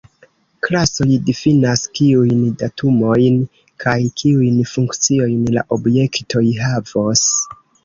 Klasoj difinas kiujn datumojn kaj kiujn funkciojn la objektoj havos.